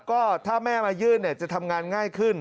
ก็ถ้าแม่มายื่นจะทำงานง่ายขึ้น